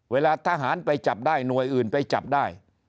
เวลาทหารไปจับได้หน่วยอื่นไปจับได้